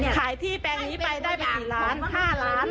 ขายที่แปลงนี้ไปได้ไปกี่ล้าน๕ล้าน